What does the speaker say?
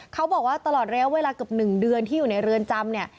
เขาบอกว่าตลอดระยะเวลาเกือบ๑เดือนที่อยู่ในเรือนจำเนี่ย